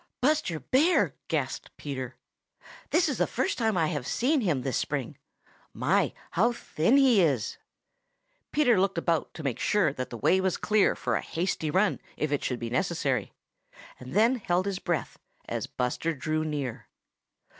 "Buster Bear!" gasped Peter. "It's the first time I have seen him this spring. My, how thin he is!" Peter looked about to make sure that the way was clear for a hasty run if it should be necessary, and then held his breath as Buster drew near.